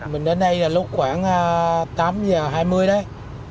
mình đến đây là lúc khoảng tám giờ hai mươi đấy